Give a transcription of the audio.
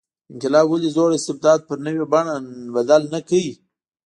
انقلاب ولې زوړ استبداد پر نوې بڼې بدل نه کړ.